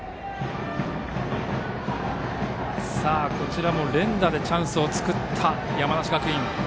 さあ、こちらも連打でチャンスを作った山梨学院。